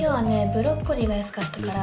ブロッコリーが安かったから。